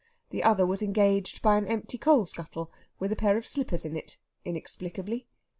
The other was engaged by an empty coal scuttle with a pair of slippers in it, inexplicably.